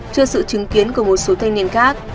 trước sự chứng kiến của một số thanh niên khác